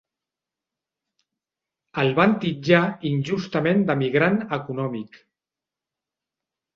El van titllar injustament de migrant econòmic.